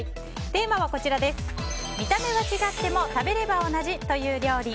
テーマは、見た目は違っても食べれば同じという料理。